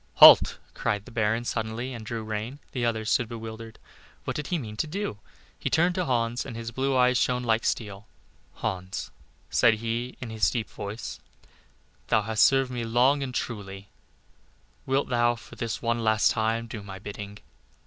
"Halt," cried the baron suddenly, and drew rein. The others stood bewildered. What did he mean to do? He turned to Hans and his blue eyes shone like steel. "Hans," said he, in his deep voice, "thou hast served me long and truly; wilt thou for this one last time do my bidding?"